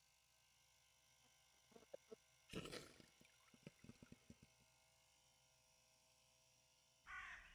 Since the Middle Ages, many values have been specified in several countries.